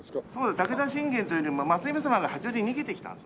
武田信玄というよりも松姫様が八王子に逃げてきたんです。